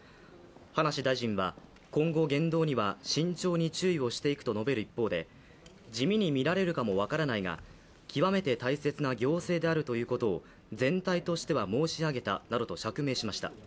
葉梨大臣は今後言動には慎重に注意をしていくと述べる一方で地味に見られるかも分からないが、極めて大切な行政であるということを全体としては申し上げたなどと釈明しました。